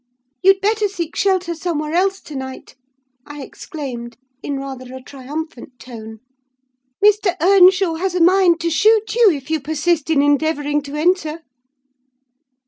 "'You'd better seek shelter somewhere else to night!' I exclaimed, in rather a triumphant tone. 'Mr. Earnshaw has a mind to shoot you, if you persist in endeavouring to enter.